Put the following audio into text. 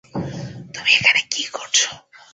তুমি এখানে কি করছো?